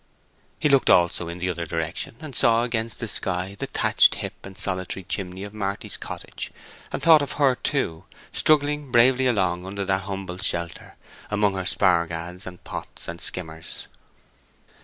He looked also in the other direction, and saw against the sky the thatched hip and solitary chimney of Marty's cottage, and thought of her too, struggling bravely along under that humble shelter, among her spar gads and pots and skimmers.